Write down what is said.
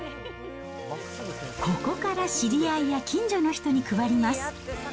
ここから知り合いや近所の人に配ります。